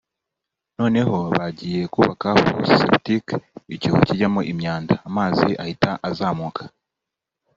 noneho bagiye kubaka fosse septique (icyobo kinyamo imyanda) amazi ahita azamuka